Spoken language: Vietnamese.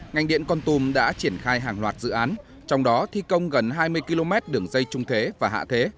ngành điện con tum đã triển khai hàng loạt dự án trong đó thi công gần hai mươi km đường dây trung thế và hạ thế